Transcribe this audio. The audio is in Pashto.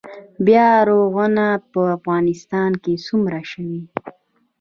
بیا رغونه په افغانستان کې څومره شوې؟